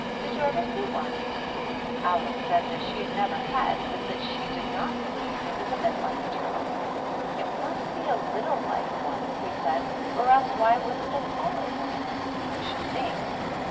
"Did you ever see one r Alice said that she never had, but that she did not believe it was a bit like a turtle. "It must be a little like one," he said, "or else they wouldn't call it one, I should think.